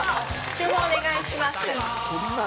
注文お願いします。